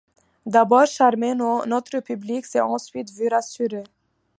D’abord charmé, notre public s’est ensuite vu rassuré.